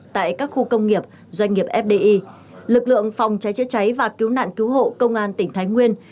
tại các khu công nghiệp doanh nghiệp fdi lực lượng phòng cháy chữa cháy và cứu nạn cứu hộ công an tỉnh thái nguyên